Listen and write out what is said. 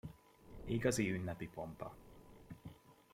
Igazi ünnepi pompa!